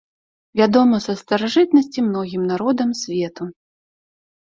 Вядома са старажытнасці многім народам свету.